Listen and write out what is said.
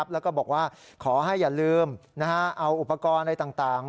แล้วก็บอกว่าขอให้อย่าลืมเอาอุปกรณ์อะไรต่าง